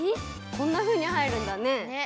こんなふうにはえるんだね。